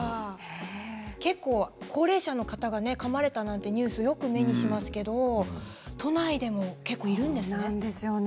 結構、高齢者の方がかまれたというニュースをよく目にしますけれど都内でも結構いるんですね。